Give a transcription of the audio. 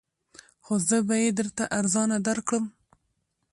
خو زه به یې درته ارزانه درکړم